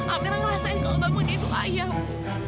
amirah ngerasain kalau bambunya itu ayah ibu